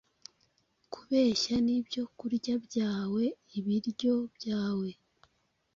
Kubehya ni ibyokurya byawe, ibiryo byawe